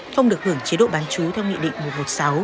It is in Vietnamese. không được hưởng chế độ bán chú theo nghị định một trăm một mươi sáu